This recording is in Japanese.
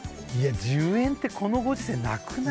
１０円ってこのご時世なくない？